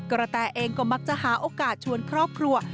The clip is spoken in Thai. แตเองก็มักจะหาโอกาสชวนครอบครัว